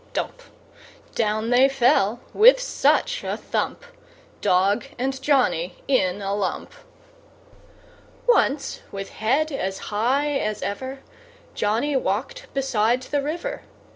Dump! Down they fell, with such a thump, Dog and Johnny in a lump! Once, with head as high as ever, Johnny walked beside the river.